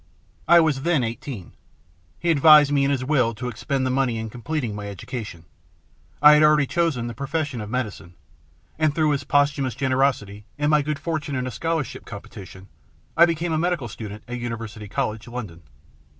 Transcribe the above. I was then eighteen. He advised me in his will to expend the money in completing my education. I had already chosen the profession of medicine, and through his pos thumous generosity, and my good fortune in a 47 48 THE PLATTNER STORY AND OTHERS scholarship competition, I became a medical student at University College, London.